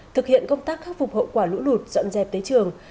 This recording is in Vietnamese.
thực hiện công tác khắc phục hậu quả lũ lụt dọn dẹp tới trường